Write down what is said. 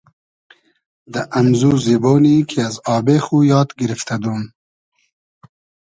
دۂ امزو زیبۉنی کی از آبې خو یاد گیرفتۂ دوم